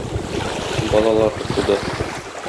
Балалары туды.